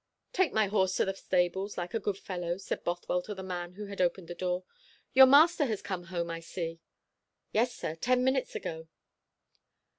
"Take my horse to the stables, like a good fellow," said Bothwell to the man who had opened the door. "Your master has come home, I see." "Yes, sir, ten minutes ago."